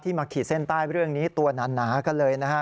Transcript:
มาขีดเส้นใต้เรื่องนี้ตัวหนากันเลยนะฮะ